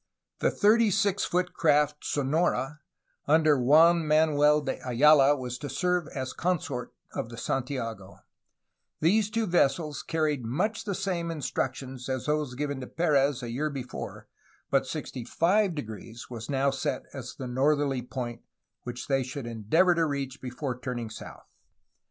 The thirty six foot craft Sonora, under Juan Manuel de Ayala, was to serve as consort of the Santiago, These two vessels carried much the same instructions as those given to Perez a year before, but 65° was now set as the northerly point which they should endeavor to reach before turning south.